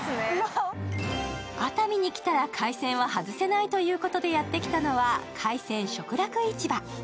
熱海に来たら海鮮は外せないということでやって来たのは海鮮食楽市場。